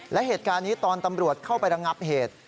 และเหตุการณ์นี้ตอนตำรวจเข้าไประงับเหตุ